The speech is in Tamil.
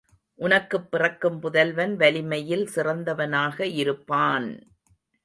உனக்குப் பிறக்கும் புதல்வன் வலிமையில் சிறந்தவனாக இருப்பான்!